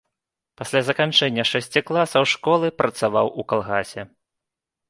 Пасля заканчэння шасці класаў школы працаваў у калгасе.